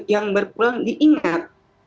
yang berpulang diingat